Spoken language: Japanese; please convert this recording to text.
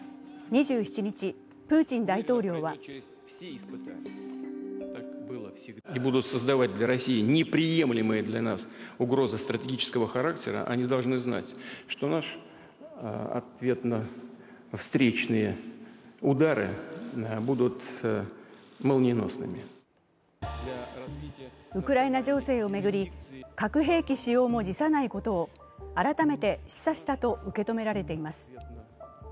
２７日、プーチン大統領はウクライナ情勢を巡り、核兵器使用も辞さないことを改めて示唆したと受け止められています。